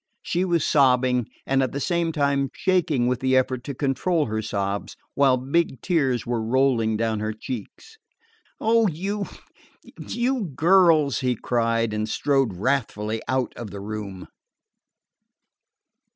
She was sobbing, and at the same time shaking with the effort to control her sobs, while big tears were rolling down her cheeks. "Oh, you you girls!" he cried, and strode wrathfully out of the room.